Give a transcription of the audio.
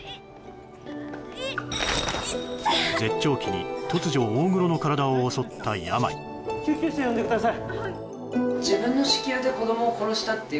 絶頂期に突如大黒の体を襲った病救急車呼んでください